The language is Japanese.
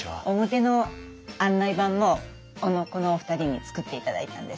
表の案内板もこのお二人に作っていただいたんです。